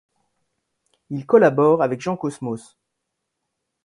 Il collabore avec Jean Cosmos.